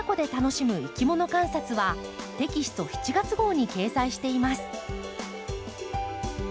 いきもの観察」はテキスト７月号に掲載しています。